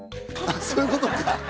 そういうことか！